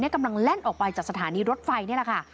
กำลังแล่นออกไปจากสถานีรถไฟนี่แหละค่ะ